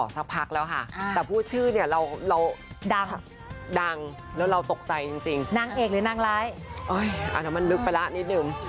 ถ้าผักแล้วค่ะแต่พูดชื่อเนี่ยเราเราบ้างดังแล้วตกตัดจริงนางเอกหนึ่งหนึ่ง